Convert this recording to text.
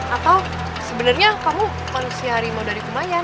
atau sebenernya kamu manusia harimau dari kumayan